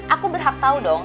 aku berhak tau dong